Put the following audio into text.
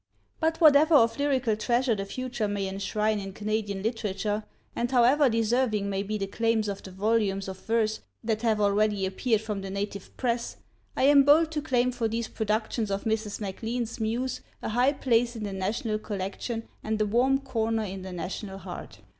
But whatever of lyrical treasure the future may enshrine in Canadian literature, and however deserving may be the claims of the volumes of verse that have already appeared from the native press, I am bold to claim for these productions of Mrs. MacLean's muse a high place in the national collection and a warm corner in the national heart.